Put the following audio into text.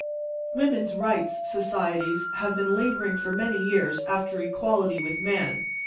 Women's rights societies have been laboring for many years after equality with man.